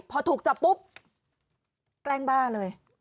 พอถูกจับปุ๊บแกล้งบ้าเลย